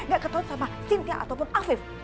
gak ketauan sama sintia atau afif